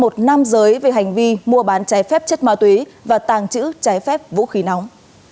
một nam giới về hành vi mua bán trái phép chất ma túy và tàng trữ trái phép vũ khí nóng